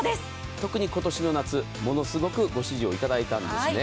特に今年の夏、ものすごくご支持をいただいたんですね。